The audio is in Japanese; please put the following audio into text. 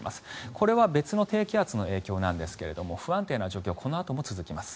これは別の低気圧の影響なんですが不安定な状況はこのあとも続きます。